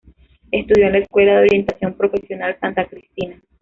Estudió en la Escuela de Orientación Profesional Santa Cristina.